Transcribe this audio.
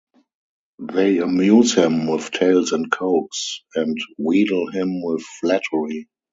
They amuse him with tales and coax and wheedle him with flattery.